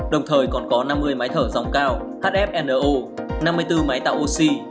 đồng thời còn có năm mươi máy thở dòng cao hfno năm mươi bốn máy tạo oxy